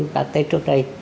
các tết trước đây